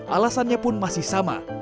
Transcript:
alasannya pun masih sama